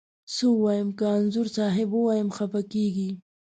څه ووایم، که انځور صاحب ووایم خپه کږې.